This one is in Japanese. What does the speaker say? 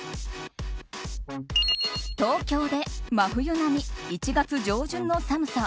東京で真冬並み１月上旬の寒さ。